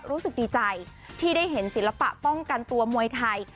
รู้สึกดีใจที่ได้เห็นศิลปะป้องกันตัวมวยไทย